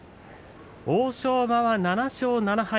欧勝馬は７勝７敗。